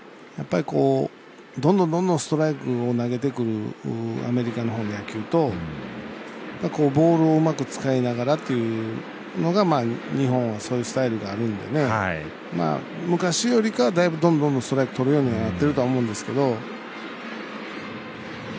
どんどんストライクを投げてくるアメリカのほうの野球とボールをうまく使いながらというのが日本はそういうスタイルがあるんで昔よりかはだいぶどんどんストライクとるようにはなってるかとは思うんですけど。